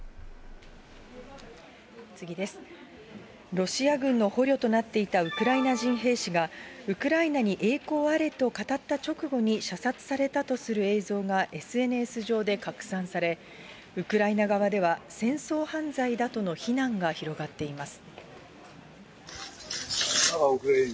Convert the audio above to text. ロシア軍の捕虜となっていたウクライナ人兵士が、ウクライナに栄光あれと語った直後に射殺されたとする映像が、ＳＮＳ上で拡散され、ウクライナ側では戦争犯罪だとの非難が広がっています。